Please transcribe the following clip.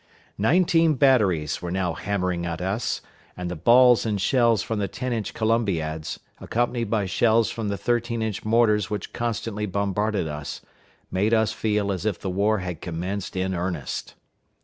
Nineteen batteries were now hammering at us, and the balls and shells from the ten inch columbiads, accompanied by shells from the thirteen inch mortars which constantly bombarded us, made us feel as if the war had commenced in earnest.